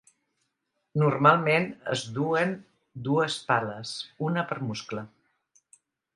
Normalment es duen dues pales, una per muscle.